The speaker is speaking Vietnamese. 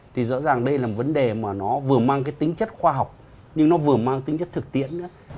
thì rõ ràng đây là một vấn đề mà nó vừa mang cái tính chất khoa học nhưng nó vừa mang tính chất thực tiễn nữa